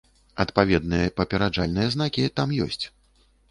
Адпаведныя папераджальныя знакі там ёсць.